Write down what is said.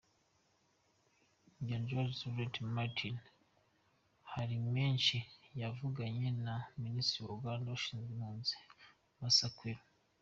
Mugenzi wacu Laurent Martin Harimenshi yavuganye na Ministre wa Uganda ashinzwe impunzi, Musa Ecweru.